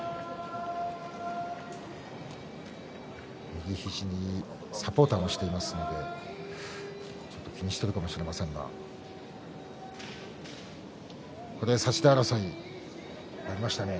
右肘にサポーターをしていますのでちょっと気にしてるかもしれませんがここで差し手争いになりましたね。